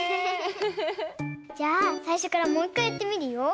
じゃあさいしょからもういっかいやってみるよ。